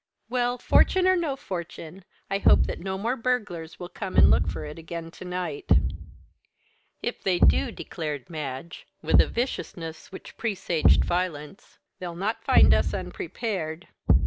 "Well, fortune or no fortune, I do hope that no more burglars will come and look for it again to night." "If they do," declared Madge, with a viciousness which presaged violence, "they'll not find us unprepared.